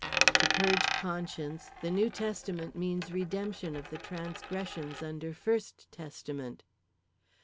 "To purge conscience, the new testament means redemption of the transgressions under first testament.